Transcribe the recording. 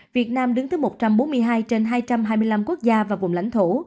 việt nam đứng thứ một trăm bốn mươi hai trên hai trăm hai mươi năm quốc gia và vùng lãnh thổ